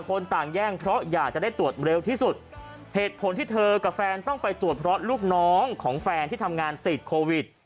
คนต่างแย่งเพราะอยากจะได้ตรวจเร็วที่สุดเหตุผลที่เธอกับแฟนต้องไปตรวจเพราะลูกน้องของแฟนที่ทำงานติดโควิด